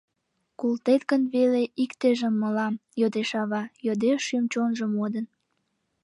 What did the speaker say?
Колтет гын веле иктыжым мылам», Йодеш ава, йодеш шӱм-чонжо модын.